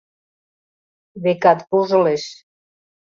Векат, вожылеш.